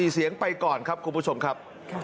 ๔เสียงไปก่อนครับคุณผู้ชมครับ